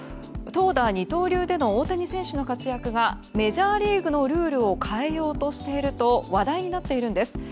投打二刀流での大谷選手の活躍がメジャーリーグのルールを変えようとしていると話題になっているんです。